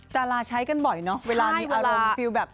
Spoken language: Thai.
ดาราใช้กันบ่อยเนอะเวลามีอารมณ์ฟิลแบบ